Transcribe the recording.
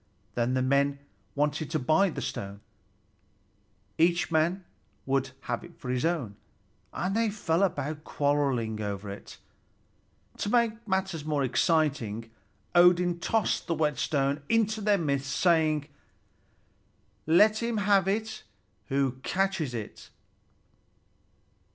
Then the men wanted to buy the stone; each man would have it for his own, and they fell to quarreling over it. To make matters more exciting, Odin tossed the whetstone into their midst, saying: "Let him have it who catches it!"